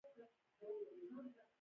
زما ژبه ګونګه وه ـ